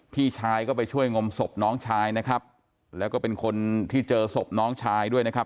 พี่ชายก็ไปช่วยงมศพน้องชายนะครับแล้วก็เป็นคนที่เจอศพน้องชายด้วยนะครับ